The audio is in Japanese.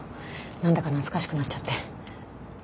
なんだか懐かしくなっちゃって。